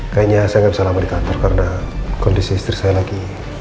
kayaknya saya nggak bisa lama di kantor karena kondisi istri saya lagi